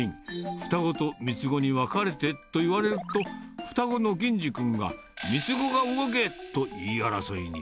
双子と三つ子に分かれてっと言われると、双子の銀侍君が、三つ子が動けと言い争いに。